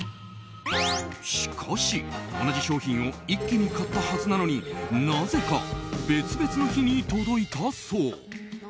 しかし、同じ商品を一気に買ったはずなのになぜか別々の日に届いたそう。